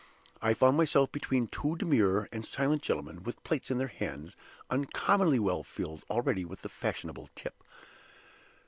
I found myself between two demure and silent gentlemen, with plates in their hands, uncommonly well filled already with the fashionable tip.